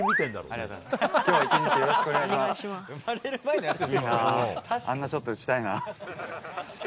いいなぁ、あんなショット打ちたいな。